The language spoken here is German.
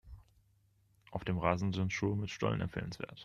Auf dem Rasen sind Schuhe mit Stollen empfehlenswert.